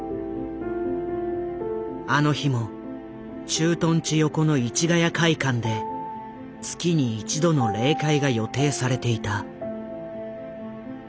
あの日も駐屯地横の市ヶ谷会館で月に１度の例会が予定されていた。